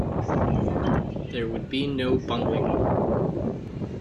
There would be no bungling.